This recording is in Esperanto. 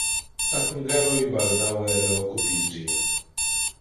La hungaroj baldaŭe reokupis ĝin.